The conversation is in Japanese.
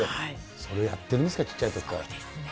それやってるんですから、小っちゃいときから。